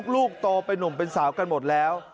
ลูกโตเป็นนุ่มเป็นสาวกันหมดแล้ว